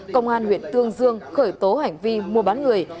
công an huyện tương dương khởi tố hành vi mua bán người